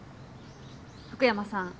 福山さん